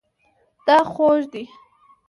دا خوږ دی